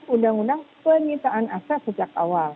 undang undang penyitaan aset sejak awal